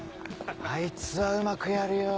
あいつはうまくやるよ。